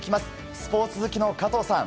スポーツ好きの加藤さん。